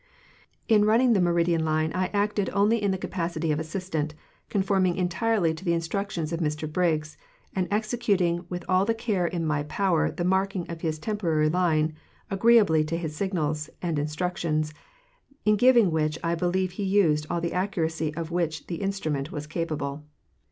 In running the meridian line I acted only in the capacity of assistant, conforming entirely to the instructions of Mr Briggs, and executing with all the care in my power the marking of his temporary line, agreeably to his signals and instructions, in giving which I believe he used all the accuracy of which the instrument was capable. The Survey of the Meridian Line.